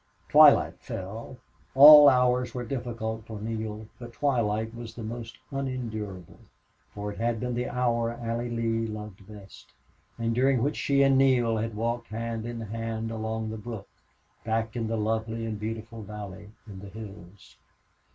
Twilight fell. All hours were difficult for Neale, but twilight was the most unendurable, for it had been the hour Allie Lee loved best, and during which she and Neale had walked hand in hand along the brook, back there in the lovely and beautiful valley in the hills.